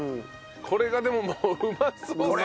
これがでももううまそうですね。